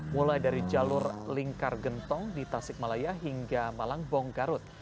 mulai dari jalur lingkar gentong di tasik malaya hingga malangbong garut